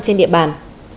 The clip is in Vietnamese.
trên địa bàn